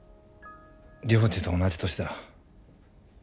涼二と同じ年だ。